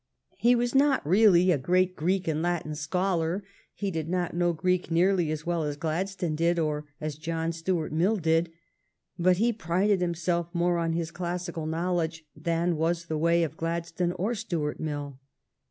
He was not really a great Greek and Latin scholar. He did not know Greek nearly as well as Gladstone did or as John Stuart Mill did; but he prided himself more on his classical knowledge than was the way of Gladstone or Stuart Mill.